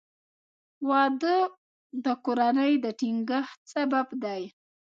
• واده د کورنۍ د ټینګښت سبب دی.